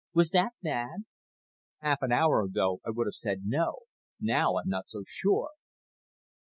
"Was that bad?" "Half an hour ago I would have said no. Now I'm not so sure."